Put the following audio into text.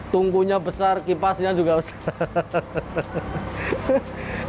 tungkunya besar kipasnya juga usai